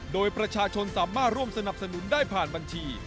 โดยประชาชนสามารถร่วมสนับสนุนได้ผ่านบัญชี